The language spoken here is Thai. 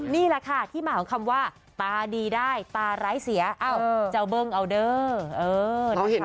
นี่แหละค่ะที่มาของคำว่าตาดีได้ตาร้ายเสียเอ้าเจ้าเบิ้งเอาเด้อ